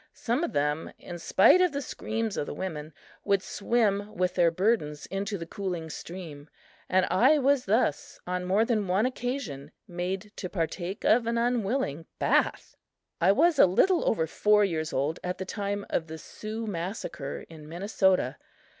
Some of them, in spite of the screams of the women, would swim with their burdens into the cooling stream, and I was thus, on more than one occasion, made to partake of an unwilling bath. I was a little over four years old at the time of the "Sioux massacre" in Minnesota.